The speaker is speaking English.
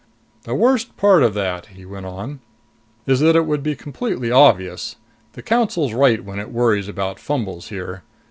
"The worst part of that," he went on, "is that it would be completely obvious. The Council's right when it worries about fumbles here.